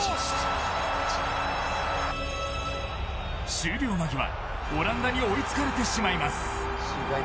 終了間際、オランダに追いつかれてしまいます。